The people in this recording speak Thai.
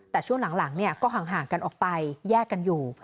แต่ช่วงหลังก็ห่างกันออกไปแยกกันอยู่